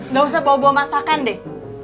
eh gak usah bawa bawa masakan deh